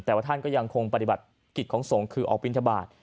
แต่ว่าท่านก็ยังคงปฏิบัติกิจของสงฆ์คือออกบินทบาท